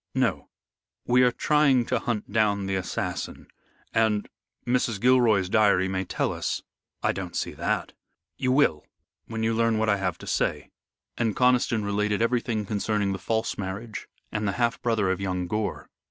"No. We are trying to hunt down the assassin. And Mrs. Gilroy's diary may tell us." "I don't see that." "You will, when you learn what I have to say." And Conniston related everything concerning the false marriage and the half brother of young Gore.